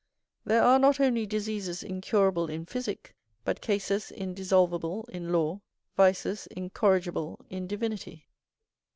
There are not only diseases incurable in physick, but cases indissolvable in law, vices incorrigible in divinity.